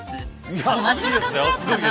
真面目な感じのやつかな。